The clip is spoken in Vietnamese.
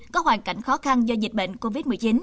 có hoàn cảnh khó khăn do dịch bệnh covid một mươi chín